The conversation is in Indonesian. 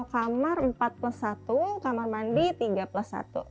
satu kamar empat plus satu kamar mandi tiga plus satu